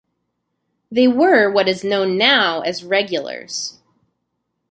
They were what is known now as "regulars".